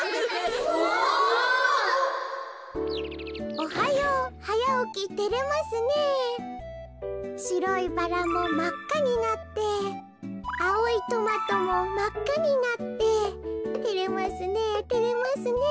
「おはようはやおきてれますねえしろいバラもまっかになってあおいトマトもまっかになっててれますねえてれますねえ